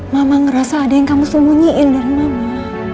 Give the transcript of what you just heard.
mama ngerasa ada yang kamu sembunyiin dari mama